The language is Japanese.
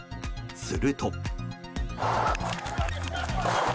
すると。